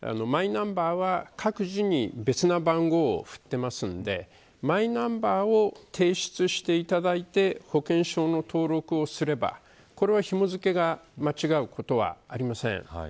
ですから、マイナンバーは各自に別の番号を振っていますのでマイナンバーを提出していただいて保険証の登録をすればこれは、ひも付けが間違うことはありません。